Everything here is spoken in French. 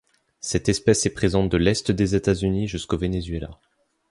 Cette espèce est présente de l'est des États-Unis jusqu'au Venezuela.